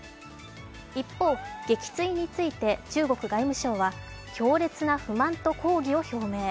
一方、撃墜について中国外務省は強烈な不満と抗議を表明。